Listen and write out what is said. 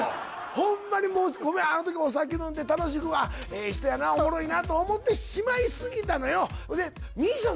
ホンマにごめんあのときお酒飲んで楽しくああええ人やなおもろいなと思ってしまいすぎたのよ